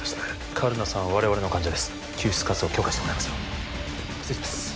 カルナさんは我々の患者です救出活動を許可してもらいますよ失礼します